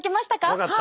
わかった。